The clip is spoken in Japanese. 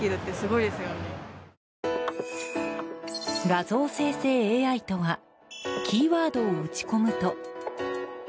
画像生成ＡＩとはキーワードを打ち込むと。